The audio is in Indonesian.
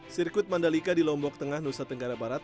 sirkuit mandalika di lombok tengah nusa tenggara barat